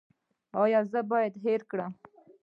ایا زه باید هیر کړم؟